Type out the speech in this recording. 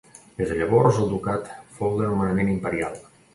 Des de llavors el ducat fou de nomenament imperial.